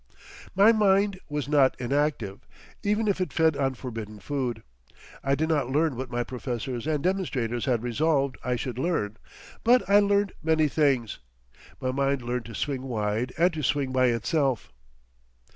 My mind was not inactive, even if it fed on forbidden food. I did not learn what my professors and demonstrators had resolved I should learn, but I learnt many things. My mind learnt to swing wide and to swing by itself.